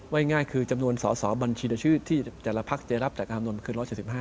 ว่าง่ายคือจำนวนสอบัญชีดชื่อที่แต่ละพักจะรับจัดการรามนวลคือ๑๗๕